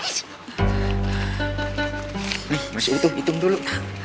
nih harus hitung hitung dulu